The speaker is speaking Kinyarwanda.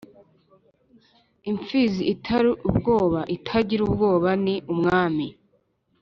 imfizi itari ubwoba: itagira ubwoba (ni umwami)